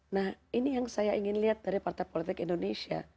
nah ini yang saya ingin lihat dari partai politik indonesia